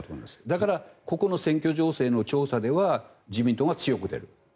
だから選挙情勢の調査では自民党が強く出る。